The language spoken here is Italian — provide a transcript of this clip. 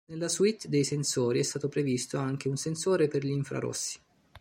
Nella suite dei sensori è stato previsto anche un sensore per gli infrarossi.